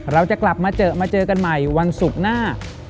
เราจะกลับมาเจอมาเจอกันใหม่วันศุกร์หน้า